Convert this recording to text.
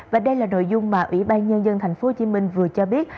và đây là nội dung mà ủy ban nhân dân tp hcm vừa cho biết